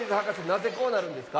なぜこうなるんですか？